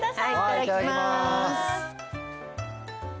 いただきます。